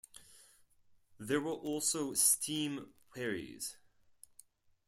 There were also steam wherries.